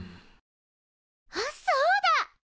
あっそうだ！